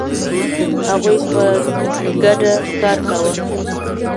هغوی په ګډه کار کاوه.